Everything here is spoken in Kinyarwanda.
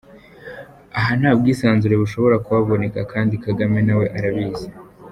Aha nta bwisanzure bushobora kuhaboneka, kandi Kagame na we arabizi.